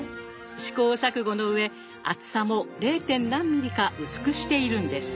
試行錯誤のうえ厚さも０．何ミリか薄くしているんです。